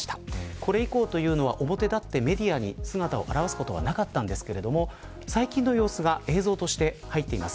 これ以降は表立ってメディアに姿を現すことはなかったんですけれども最近の様子が映像として入っています。